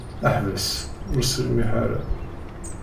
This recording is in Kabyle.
Ḥbes ur sṛimiḥ ara!